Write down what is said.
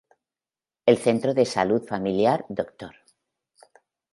El Centro de Salud Familiar Dr.